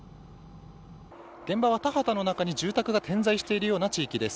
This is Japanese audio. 現場は田畑の中に住宅が点在しているような地域です。